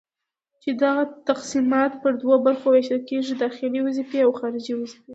چي دغه تقسيمات پر دوو برخو ويشل کيږي:داخلي وظيفي او خارجي وظيفي